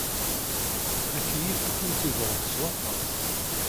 Akeyyef ad kent-iḍurr s waṭas.